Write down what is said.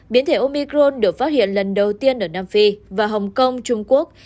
biến thể omicron được phát hiện lần đầu tiên ở nam phi và hồng kông trung quốc